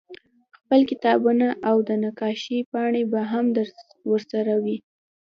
خپل کتابونه او د نقاشۍ پاڼې به هم ورسره وې